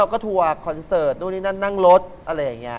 แล้วก็อยากว่าโชคดี